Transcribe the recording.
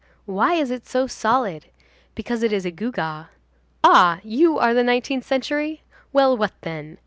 Why is it so solid? Because it is a gewgaw. Ah! you are the nineteenth century? Well, what then?